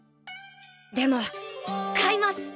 でも買います！